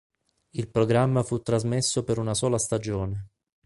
Il programma fu trasmesso per una sola stagione.